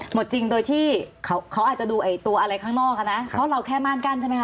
หมดจริงโดยที่เขาอาจจะดูตัวอะไรข้างนอกอ่ะนะเพราะเราแค่ม่านกั้นใช่ไหมค